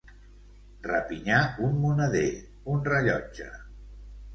Rapinyar un moneder, un rellotge.